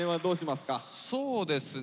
そうですね